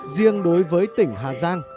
riêng đối với tỉnh hà giang